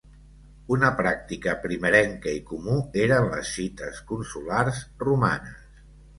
Una pràctica primerenca i comú eren les cites "consulars" romanes.